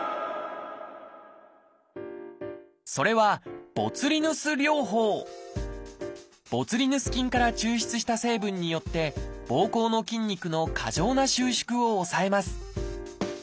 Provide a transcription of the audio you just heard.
それはボツリヌス菌から抽出した成分によってぼうこうの筋肉の過剰な収縮を抑えます。